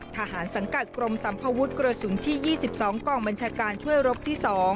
สังกัดกรมสัมภวุฒิกระสุนที่๒๒กองบัญชาการช่วยรบที่๒